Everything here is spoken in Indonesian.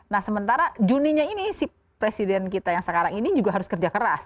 nah sementara juninya ini si presiden kita yang sekarang ini juga harus kerja keras